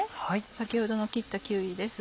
先ほどの切ったキーウィです。